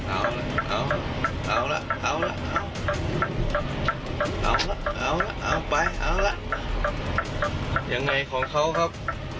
เอาเอาละเอาละเอาเอาละเอาไปเอาละยังไงของเขาครับ